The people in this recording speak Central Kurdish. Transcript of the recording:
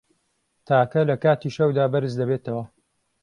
تاکە له کاتی شەودا بەرز دەبێتەوه